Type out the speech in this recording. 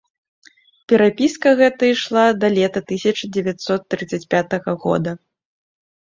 Перапіска гэта ішла да лета тысяча дзевяцьсот трыццаць пятага года.